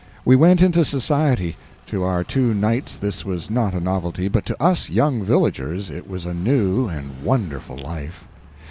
We went into society. To our two knights this was not a novelty, but to us young villagers it was a new and wonderful life.